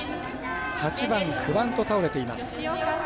８番、９番と倒れています。